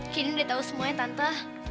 candy udah tau semuanya tante